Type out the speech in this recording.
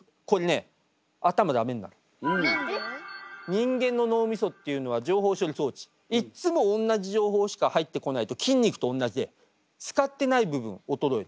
人間の脳みそっていうのは情報処理装置いっつも同じ情報しか入ってこないと筋肉と同じで使ってない部分おとろえる。